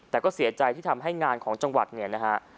แต่ก็เสียใจที่ทำให้งานของจังหวัดเนี่ยนะฮะ